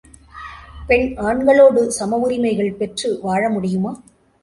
பெண் ஆண்களோடு சம உரிமைகள் பெற்று வாழ முடியுமா?